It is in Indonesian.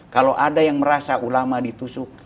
kalau ada yang merasa ulama ditusuk